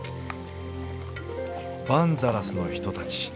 バンザラスの人たち